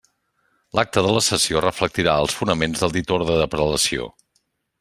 L'acta de la sessió reflectirà els fonaments del dit orde de prelació.